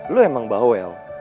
lo emang bau ya lo